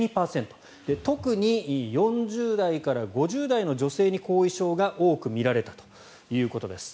特に４０代から５０代の女性に後遺症が多く見られたということです。